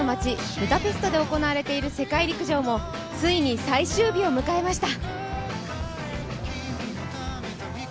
ブダペストで行われている世界陸上もついに最終日を迎えました。